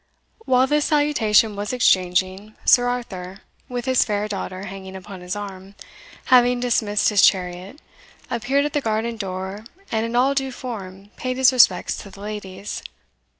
While this salutation was exchanging, Sir Arthur, with his fair daughter hanging upon his arm, having dismissed his chariot, appeared at the garden door, and in all due form paid his respects to the ladies.